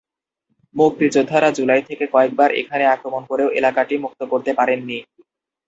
মুক্তিযোদ্ধারা জুলাই থেকে কয়েকবার এখানে আক্রমণ করেও এলাকাটি মুক্ত করতে পারেননি।